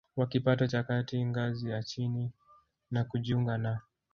wa kipato cha kati ngazi ya chini na kujiunga na